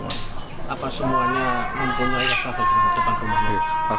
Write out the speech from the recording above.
apa semuanya mampu menggunakan wastafel di depan rumah